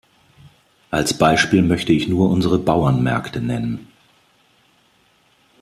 Als Beispiel möchte ich nur unsere Bauernmärkte nennen.